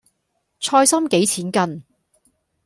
菜芯幾錢斤？